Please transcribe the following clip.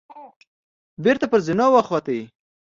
بېرته پر زينو وخوت.